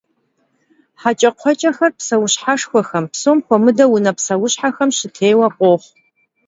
Heç'ekxhueç'exer pseuşheşşxuexem, psom xuemıdeu vune pseuşhexem, şıtêue khoxhu.